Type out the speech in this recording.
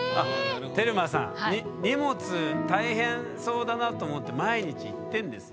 テルマさん荷物大変そうだなと思って毎日行ってんですよ。